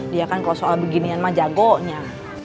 dia kan kalau soal beginian mah jagonya